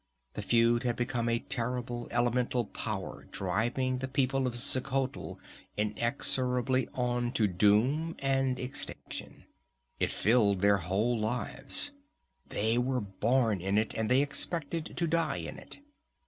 The feud had become a terrible elemental power driving the people of Xuchotl inexorably on to doom and extinction. It filled their whole lives. They were born in it, and they expected to die in it.